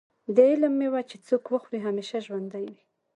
د علم مېوه چې څوک وخوري همیشه ژوندی وي.